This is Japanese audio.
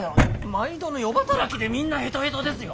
毎度の夜働きでみんなへとへとですよ！